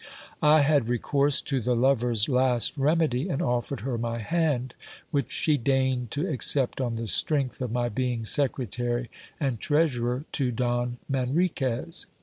I had recourse to the lover's last remedy, and offered her my hand, which she deigned to accept on the strength of my being secretary and treasurer to Don Manriquez.